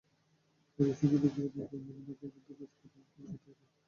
একই সঙ্গে জঙ্গিবাদ মোকাবিলায় ঐক্যবদ্ধভাবে কাজ করার ওপর গুরুত্ব আরোপ করা হয়।